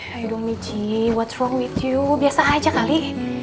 aduh bici apa yang salahnya denganmu biasa aja kali